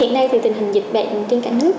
hiện nay thì tình hình dịch bệnh trên cả nước